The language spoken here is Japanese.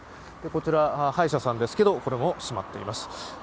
こちら、歯医者さんですけどこれもしまっています。